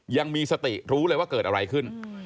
ยังมีสติรู้เลยว่าเกิดอะไรขึ้น